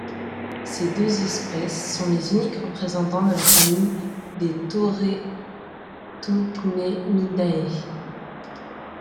Ces deux espèces sont les uniques représentants de la famille des Toretocnemidae.